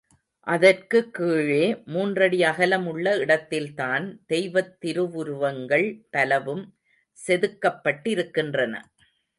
அதற்குக் கீழே மூன்றடி அகலம் உள்ள இடத்தில்தான் தெய்வத் திருவுருவங்கள் பலவும் செதுக்கப்பட்டிருக்கின்றன.